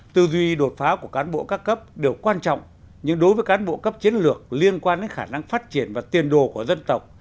tư duy đột phá của cán bộ các cấp điều quan trọng nhưng đối với cán bộ cấp chiến lược liên quan đến khả năng phát triển và tiền đồ của dân tộc